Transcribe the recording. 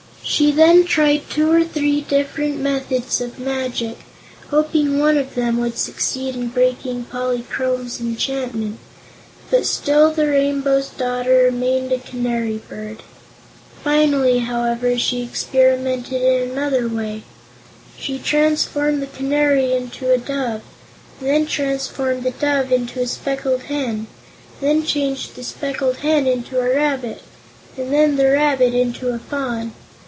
She then tried two or three different methods of magic, hoping one of them would succeed in breaking Polychrome's enchantment, but still the Rainbow's Daughter remained a Canary Bird. Finally, however, she experimented in another way. She transformed the Canary into a Dove, and then transformed the Dove into a Speckled Hen, and then changed the Speckled Hen into a rabbit, and then the rabbit into a Fawn.